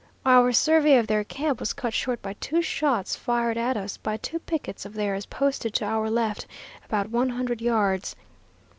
Our survey of their camp was cut short by two shots fired at us by two pickets of theirs posted to our left about one hundred yards.